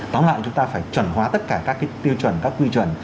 tóm lại chúng ta phải chuẩn hóa tất cả các tiêu chuẩn các quy chuẩn